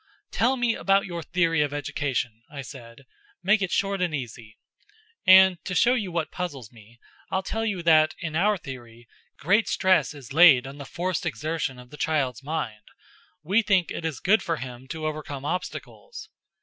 "Tell me about your theory of education," I said. "Make it short and easy. And, to show you what puzzles me, I'll tell you that in our theory great stress is laid on the forced exertion of the child's mind; we think it is good for him to overcome obstacles."